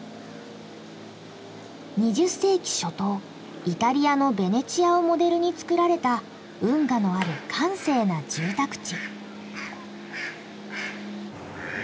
２０世紀初頭イタリアのベネチアをモデルに作られた運河のある閑静な住宅地。